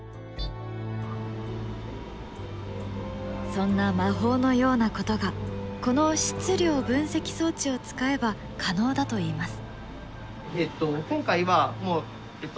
そんな魔法のようなことがこの質量分析装置を使えば可能だといいます。